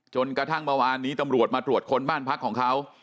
จนกระทั่งเมื่อวานนี้ตำรวจมาตรวจคนบ้านพักของเขา